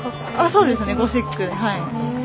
そうですねゴシック。